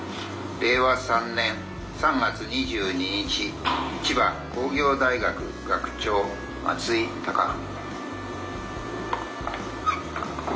令和３年３月２２日千葉工業大学学長松井孝典』」。